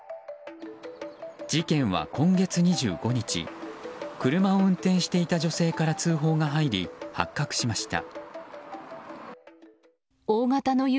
事件は今月２５日車を運転していた女性から通報が入り発覚しました。